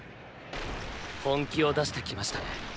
本気を出してきましたね。